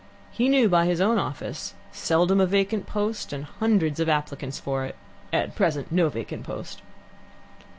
He knew by his own office seldom a vacant post, and hundreds of applicants for it; at present no vacant post.